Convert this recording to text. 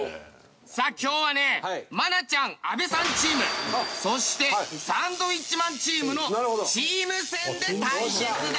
さあ今日はね愛菜ちゃん阿部さんチームそしてサンドウィッチマンチームのチーム戦で対決だ！